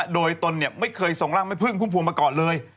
โดยตนไม่เคยส่งร่างแม่พึ่งพุ่มพวงมาก่อนเลย